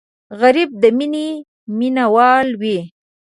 غریب د مینې مینهوال وي